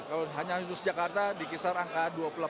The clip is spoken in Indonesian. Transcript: kalau hanya yusus jakarta dikisar angka dua puluh delapan